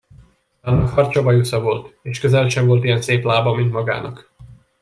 De annak harcsabajusza volt, és közel sem volt ilyen szép lába, mint magának!